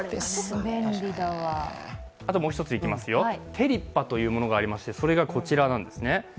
テリッパというものがありまして、こちらです。